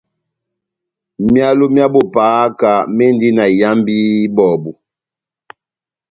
Myálo mya bo pahaka mendi na iyambi ibɔbu.